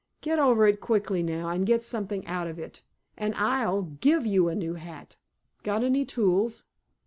"Get over it quickly now, and get something out of it, and I'll give you a new hat. Got any tools?"